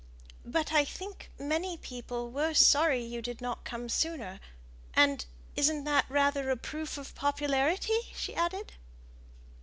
"But I think many people were sorry you did not come sooner; and isn't that rather a proof of popularity?" she added.